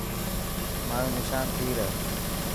مايو نشان تير هي.